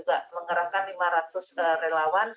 pak andre juga mengerahkan lima ratus relawan